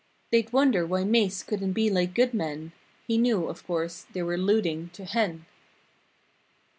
They'd wonder why "Mase" couldn't be like good men; He knew, of course, they were 'ludin' to "Hen."